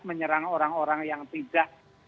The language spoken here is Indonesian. menyerang orang orang yang tidak